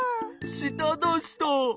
しただした。